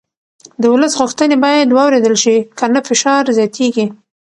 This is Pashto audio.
د ولس غوښتنې باید واورېدل شي که نه فشار زیاتېږي